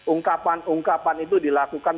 ungkapan ungkapan itu dilakukan